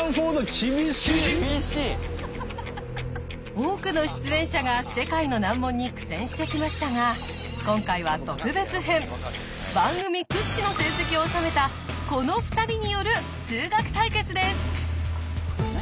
多くの出演者が世界の難問に苦戦してきましたが今回は番組屈指の成績を収めたこの２人による数学対決です。